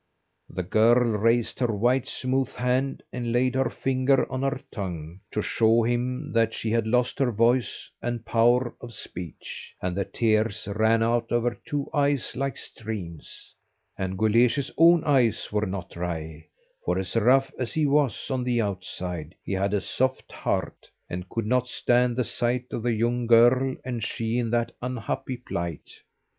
The girl raised her white smooth hand, and laid her finger on her tongue, to show him that she had lost her voice and power of speech, and the tears ran out of her two eyes like streams, and Guleesh's own eyes were not dry, for as rough as he was on the outside he had a soft heart, and could not stand the sight of the young girl, and she in that unhappy plight.